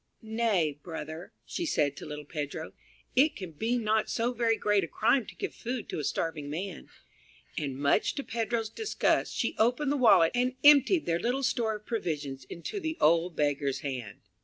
"Nay, brother," she said to little Pedro, "it can be not so very great a crime to give food to a starving man"; and much to Pedro's disgust, she opened the wallet and emptied their little store of provisions into the old beggar's hand.